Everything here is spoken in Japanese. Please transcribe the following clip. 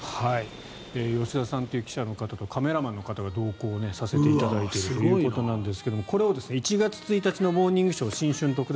吉田さんという記者の方とカメラマンの方が同行させていただいているということですがこれを１月１日の「モーニングショー」新春特大